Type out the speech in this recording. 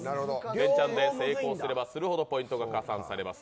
レンチャンで成功するばするほどポイントが加算されます。